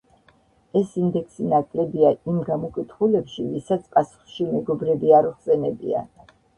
ეს ინდექსი ნაკლებია იმ გამოკითხულებში, ვისაც პასუხში მეგობრები არ უხსენებია.